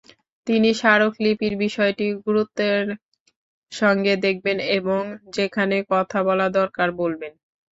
তিনি স্মারকলিপির বিষয়টি গুরুত্বের সঙ্গে দেখবেন এবং যেখানে কথা বলা দরকার বলবেন।